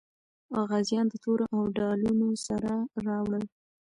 غازیان د تورو او ډالونو سره راوړل.